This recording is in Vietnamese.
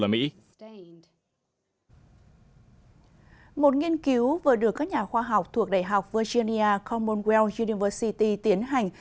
một nghiên cứu vừa được các nhà khoa học thuộc đại học virginia commonwealth university tiến hành